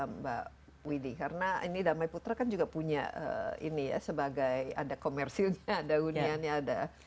mbak widi karena ini damai putra kan juga punya ini ya sebagai ada komersilnya ada huniannya ada